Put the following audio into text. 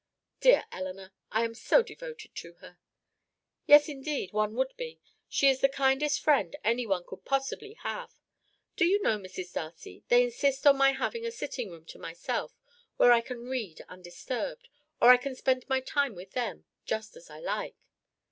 "Dear Eleanor! I am so devoted to her." "Yes, indeed, one would be; she is the kindest friend anyone could possibly have. Do you know, Mrs. Darcy, they insist on my having a sitting room to myself, where I can read undisturbed, or I can spend my time with them, just as I like."